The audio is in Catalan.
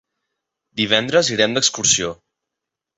Divendres irem d'excursió.